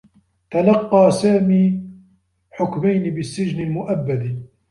تلقّى سامي حكمين بالسّجن المؤبّد.